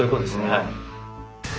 はい。